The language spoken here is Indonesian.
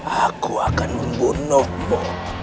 aku akan membunuhmu